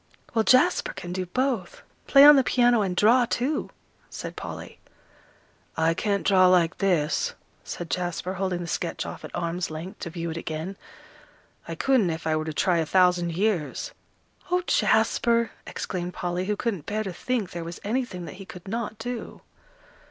"Well, Jasper can do both, play on the piano, and draw, too," said Polly. "I can't draw like this," said Jasper, holding the sketch off at arm's length to view it again. "I couldn't if I were to try a thousand years." "Oh, Jasper!" exclaimed Polly, who couldn't bear to think there was anything that he could not do.